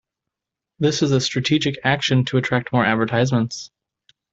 This is a strategic action to attract more advertisements.